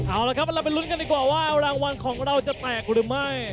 เอาละครับเราไปลุ้นกันดีกว่าว่ารางวัลของเราจะแตกหรือไม่